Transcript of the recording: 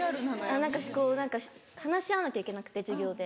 こう何か話し合わなきゃいけなくて授業で。